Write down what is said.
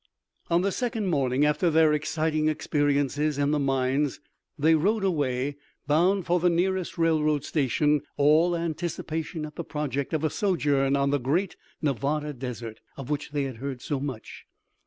On the second morning after their exciting experiences in the mines they rode away, bound for the nearest railroad station, all anticipation at the prospect of a sojourn on the great Nevada desert, of which they had heard so much.